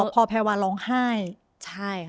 พอแพวาร้องไห้